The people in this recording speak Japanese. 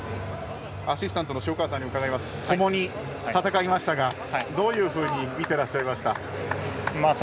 アシスタントの塩川さんともに戦いましたがどんなふうに見ていらっしゃいました？